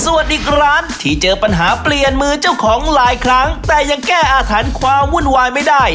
ส่วนอีกร้านที่เจอปัญหาเปลี่ยนมือเจ้าของหลายครั้งแต่ยังแก้อาถรรพ์ความวุ่นวายไม่ได้